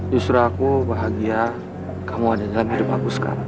justru aku bahagia kamu ada dalam hidup aku sekarang